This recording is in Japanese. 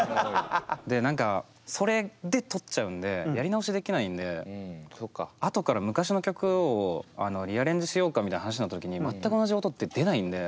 で何かそれでとっちゃうんでやり直しできないんであとから昔の曲をリアレンジしようかみたいな話になった時に全く同じ音って出ないんで。